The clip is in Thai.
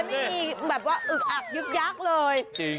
ไม่มีแบบว่าอึกอักยึกยักษ์เลย